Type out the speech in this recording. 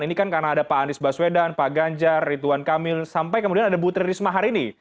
ini kan karena ada pak anies baswedan pak ganjar rituan kamil sampai kemudian ada butri risma hari ini